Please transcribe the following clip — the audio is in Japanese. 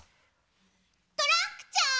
・トランクちゃん！